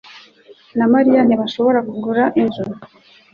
na Mariya ntibashobora kugura inzu.